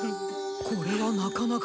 これはなかなか。